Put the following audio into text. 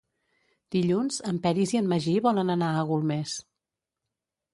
Dilluns en Peris i en Magí volen anar a Golmés.